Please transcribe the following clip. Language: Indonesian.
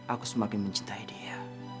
aku semakin mencintai dia